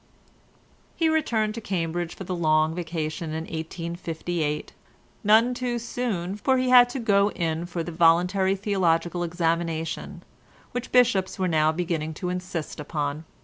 He returned to Cambridge for the Long Vacation of 1858—none too soon, for he had to go in for the Voluntary Theological Examination, which bishops were now beginning to insist upon.